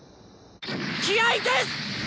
気合いです！